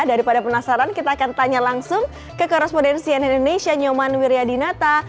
daripada penasaran kita akan tanya langsung ke korespondensian indonesia nyoman wiryadinata